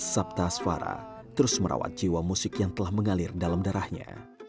sabta asfara terus merawat jiwa musik yang telah mengalir dalam darahnya